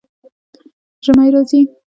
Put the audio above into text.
ژمی راځي